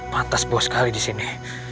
patah buah sekali di sini